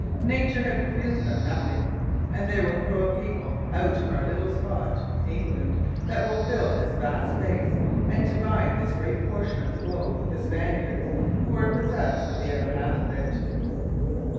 Nature has refused them nothing, and there will grow a people out of our little spot, England, that will fill this vast space, and divide this great portion of the globe with the Spaniards, who are possessed of the other half of it.'